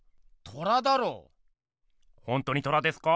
ほんとに虎ですか？